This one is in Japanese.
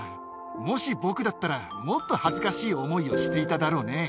もし僕だったら、もっと恥ずかしい思いをしていただろうね。